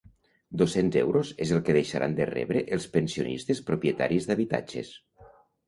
Dos-cents euros és el que deixaran de rebre els pensionistes propietaris d’habitatges.